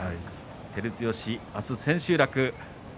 照強、明日千秋楽。